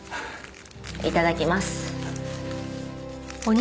いただきます。